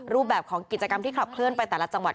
รูปแบบของกิจกรรมที่ขับเคลื่อนไปแต่ละจังหวัด